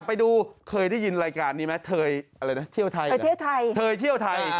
ไปดูเทยได้ยินรายการนี้ไหมเทยเที่ยวไทย